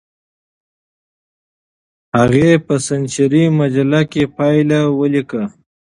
هغې په سنچري مجله کې پایله ولیکله.